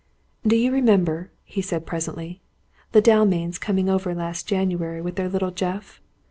"Do you remember," he said presently, "the Dalmains coming over last January, with their little Geoff?